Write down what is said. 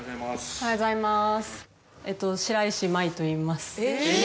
おはようございます。